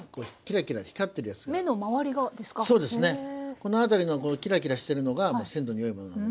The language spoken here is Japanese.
この辺りのキラキラしてるのが鮮度の良いものなので。